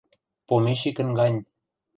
Помещикӹн гань.